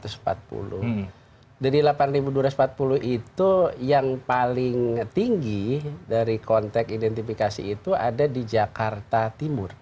jadi delapan dua ratus empat puluh itu yang paling tinggi dari konteks identifikasi itu ada di jakarta timur